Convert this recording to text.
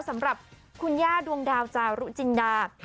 สำหรับคุณย่าดวงดาวจารุจินดา